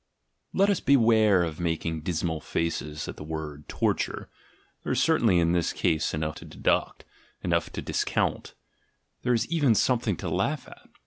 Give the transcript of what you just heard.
Let us beware of making dismal faces at the word "torture" — there is certainly in this case enough to de duct, enough to discount — there is even something to laugh at.